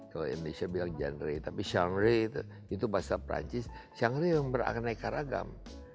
kalau indonesia bilang genre tapi genre itu bahasa perancis genre yang beraneka ragam